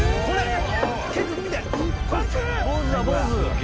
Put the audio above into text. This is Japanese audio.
これ。